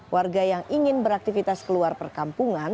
warga yang ingin beraktivitas keluar perkampungan